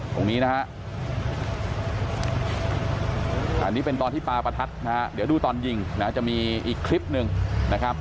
ตรงนี้นะฮะอันนี้เป็นตอนที่ปลาประทัดนะฮะเดี๋ยวดูตอนยิงนะจะมีอีกคลิปหนึ่งนะครับ